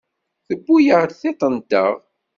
Tewwi-aɣ tiṭ-nteɣ.